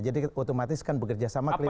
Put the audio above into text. jadi otomatis kan bekerja sama klinik